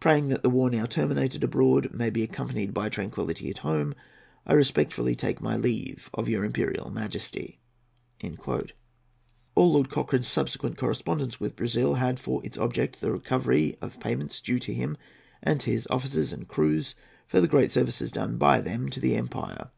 Praying that the war now terminated abroad may be accompanied by tranquillity at home, I respectfully take leave of your Imperial Majesty." All Lord Cochrane's subsequent correspondence with Brazil had for its object the recovery of the payments due to him and to his officers and crews for the great services done by them to the empire.